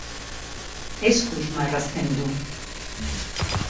Eskuz marrazten du.